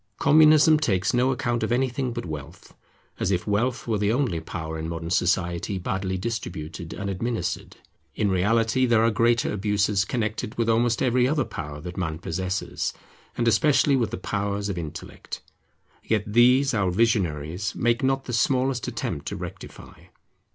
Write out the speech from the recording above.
Communism takes no account of anything but wealth; as if wealth were the only power in modern society badly distributed and administered. In reality there are greater abuses connected with almost every other power that man possesses; and especially with the powers of intellect; yet these our visionaries make not the smallest attempt to rectify.